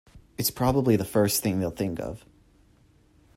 It's probably the first thing they'll think of.